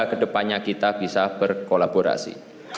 kedepannya kita bisa berkolaborasi